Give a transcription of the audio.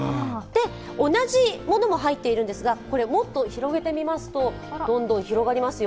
同じものも入っているんですが、もっと広げてみますと、どんどん広がりますよ。